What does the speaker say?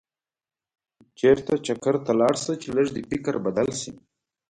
چېرته چکر ته لاړ شه چې لږ دې فکر بدل شي.